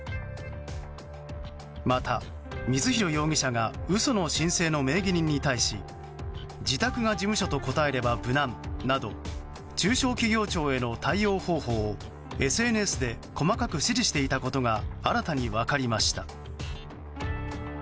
また、光弘容疑者が嘘の申請の名義人に対し自宅が事務所と答えれば無難など中小企業庁への対応方法をＳＮＳで細かく指示していたことが新たに分かりました。